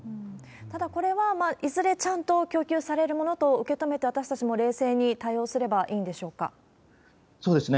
ただ、これはいずれちゃんと供給されるものと受け止めて、私たちも冷静に対応すればいいんでそうですね。